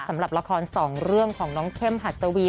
สำหรับละครสองเรื่องของน้องเข้มหัตวี